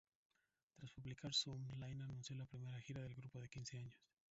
Tras publicar "Zoom", Lynne anunció la primera gira del grupo en quince años.